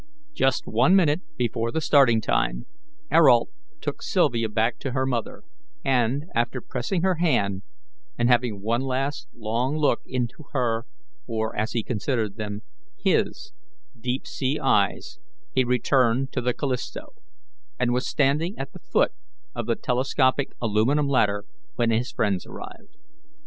Just one minute before the starting time Ayrault took Sylvia back to her mother, and, after pressing her hand and having one last long look into her or, as he considered them, HIS deep sea eyes, he returned to the Callisto, and was standing at the foot of the telescopic aluminum ladder when his friends arrived.